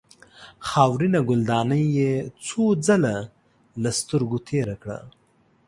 خاورینه ګلدانۍ یې څو ځله له سترګو تېره کړه.